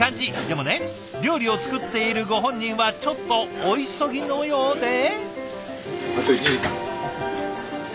でもね料理を作っているご本人はちょっとお急ぎのようで。